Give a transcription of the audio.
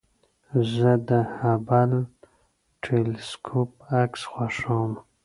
زه د هبل ټېلسکوپ عکس خوښوم.